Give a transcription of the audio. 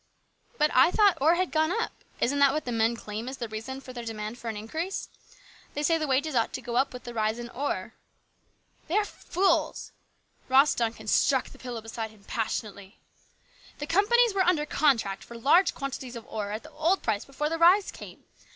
" But I thought ore had gone up. Isn't that what the men claim as the reason for their demand for an increase? They say the wages ought to go up with the rise in ore." " They are fools !" Ross Duncan struck the pillow beside him passionately. " The companies were under contract for large quantities of ore at the old price before this rise came.